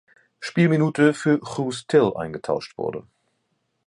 Spielminute für Guus Til eingetauscht wurde.